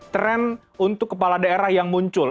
tren untuk kepala daerah yang muncul